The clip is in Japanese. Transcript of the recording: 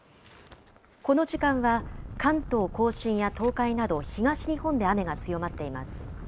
この時間は関東甲信や東海など東日本で雨が強まっています。